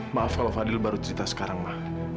maaf kalau fadil baru cerita sekarang mah